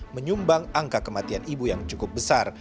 menyumbang angka kematian ibu yang cukup besar